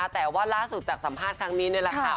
แต่ว่าล่าสุดจากสัมภาษณ์ครั้งนี้นี่แหละค่ะ